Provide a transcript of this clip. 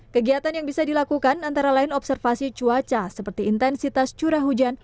kegiatan yang bisa dilakukan antara lain observasi cuaca seperti intensitas curah hujan